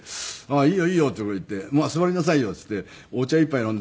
「いいよいいよ」って俺言って「まあ座りなさいよ」っつってお茶１杯飲んで。